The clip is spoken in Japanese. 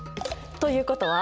ということは？